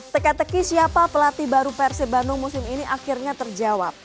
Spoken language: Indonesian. teka teki siapa pelatih baru persib bandung musim ini akhirnya terjawab